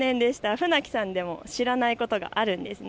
船木さんでも知らないことがあるんですね。